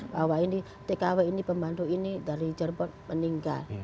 bahwa ini tkw ini pembantu ini dari jerbon meninggal